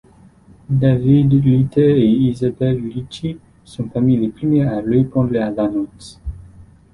David Ritter et Isabel Ritchie sont parmi les premiers à répondre à l'annonce.